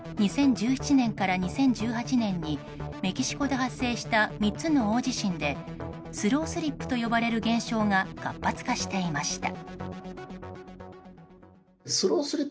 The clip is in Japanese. ２０１７年から２０１８年にメキシコで発生した３つの大地震でスロースリップと呼ばれる現象が活発化していました。